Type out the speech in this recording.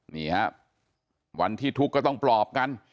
นี่ครับวันที่ทุกข์ก็ต้องปลอบกัน